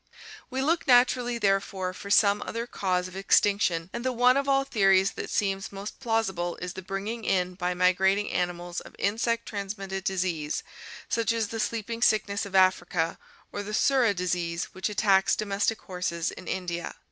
We look naturally therefore for some other cause of extinction and the one of all theories that seems most plausible is the bringing in by migrating animals of insect transmit ted disease, such as the sleeping sickness of Africa or the Surra disease which attacks domestic horses in India.